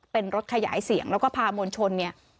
เป็นรถขยายเสียงแล้วก็พามวลชนเนี่ย